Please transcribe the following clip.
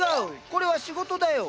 これは仕事だよ！